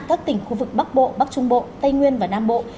các tỉnh khu vực bắc bộ bắc trung bộ tây nguyên và nam bộ